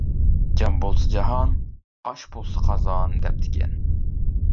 جان بولسا جاھان، ئاش بولسا قازان، دەپتىكەن.